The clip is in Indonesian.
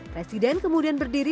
presiden kemudian berdiri